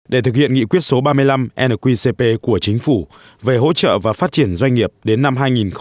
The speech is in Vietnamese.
để thực hiện nghị quyết số ba mươi năm nqcp của chính phủ về hỗ trợ và phát triển doanh nghiệp đến năm hai nghìn ba mươi